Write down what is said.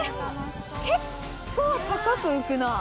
結構高く浮くなぁ。